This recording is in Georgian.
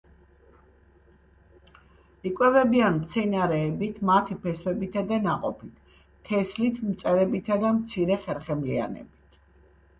იკვებებიან მცენარეებით, მათი ფესვებითა და ნაყოფით, თესლით, მწერებითა და მცირე ხერხემლიანებით.